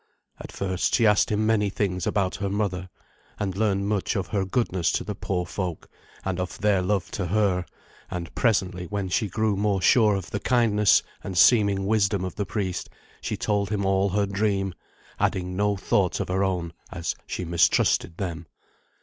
At first she asked him many things about her mother, and learned much of her goodness to the poor folk, and of their love to her; and presently, when she grew more sure of the kindness and seeming wisdom of the priest, she told him all her dream, adding no thoughts of her own, as she mistrusted them.